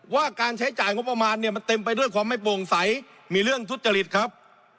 ว่าการใช้จ่ายงบประมาณเนี่ยมันเต็มไปด้วยความไม่โปร่งใสมีเรื่องทุจริตครับ